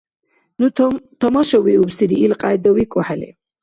Ну тамашавиубсири, илкьяйда викӀухӀели.